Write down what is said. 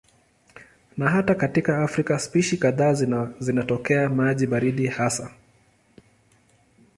Na hata katika Afrika spishi kadhaa zinatokea maji baridi hasa.